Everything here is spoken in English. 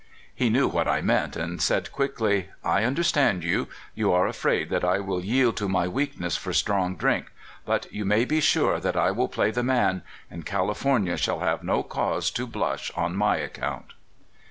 He knew what I meant, and said quickly: "I understand you. You are afraid that I will yield to my weakness for strong drink; but you may be sure that I will play the man, and California shall have no cause to blush on my account."